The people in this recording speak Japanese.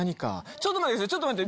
ちょっと待ってください待って！